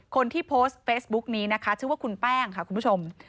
คนที่โพสต์เฟซบุ๊กนี้นะคะชื่อว่าคุณแป้งค่ะคุณผู้ชม